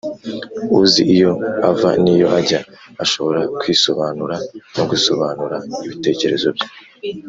uzi iyo ava n'iyo ajya, ushobora kwisobanura no gusobanura ibitekerezo bye.